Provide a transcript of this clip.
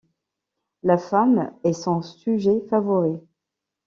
La femme est son sujet favori.